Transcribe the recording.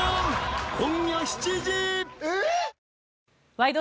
「ワイド！